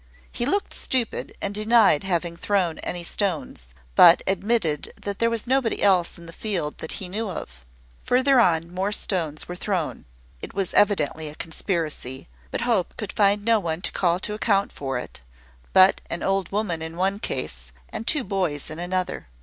He looked stupid, and denied having thrown any stones, but admitted that there was nobody else in the field that he knew of. Further on, more stones were thrown: it was evidently a conspiracy; but Hope could find no one to call to account for it, but an old woman in one case, and two boys in another.